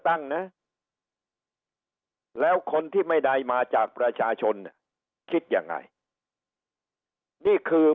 ตั้งนะแล้วคนที่ไม่ได้มาจากประชาชนคิดยังไงนี่คือ